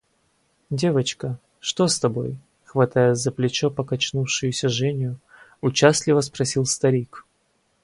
Девочка, что с тобой? – хватая за плечо покачнувшуюся Женю, участливо спросил старик.